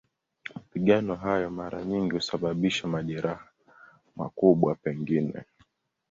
Mapigano hayo mara nyingi husababisha majeraha, makubwa pengine.